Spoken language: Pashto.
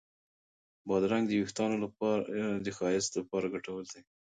بادرنګ د وېښتانو د ښایست لپاره ګټور دی.